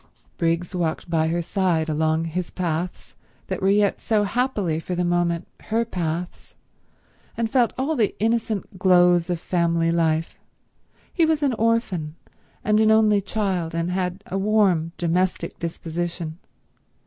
Briggs walked by her side along his paths that were yet so happily for the moment her paths, and felt all the innocent glows of family life. He was an orphan and an only child, and had a warm, domestic disposition.